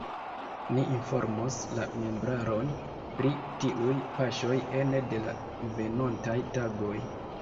Ni informos la membraron pri tiuj paŝoj ene de la venontaj tagoj.